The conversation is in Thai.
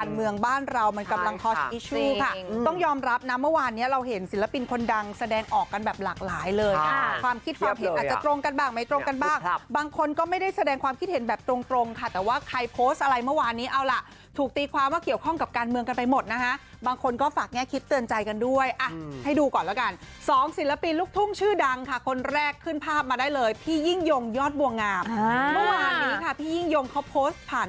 การเมืองบ้านเรามันกำลังทอชอิชชูค่ะต้องยอมรับนะเมื่อวานนี้เราเห็นศิลปินคนดังแสดงออกกันแบบหลากหลายเลยค่ะความคิดความเห็นอาจจะตรงกันบ้างไม่ตรงกันบ้างบางคนก็ไม่ได้แสดงความคิดเห็นแบบตรงตรงค่ะแต่ว่าใครโพสต์อะไรเมื่อวานนี้เอาล่ะถูกตีความว่าเกี่ยวข้องกับการเมืองกันไปหมดนะฮะบางคนก็